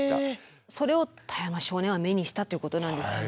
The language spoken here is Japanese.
それを田山少年は目にしたということなんですよね。